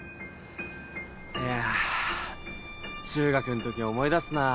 いやぁ中学んとき思い出すな。